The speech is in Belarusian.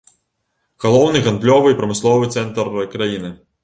Галоўны гандлёвы і прамысловы цэнтр краіны.